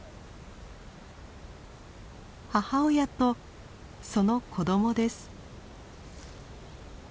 母親とその子どもです。